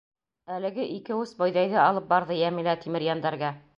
Әлеге ике ус бойҙайҙы алып барҙы Йәмилә Тимерйәндәргә.